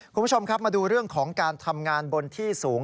คุณผู้ชมครับมาดูเรื่องของการทำงานบนที่สูง